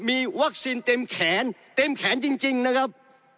มีวัคซีนเต็มแขนเต็มแขนจริงนะครับ